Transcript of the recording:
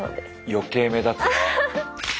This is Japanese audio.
余計目立つ。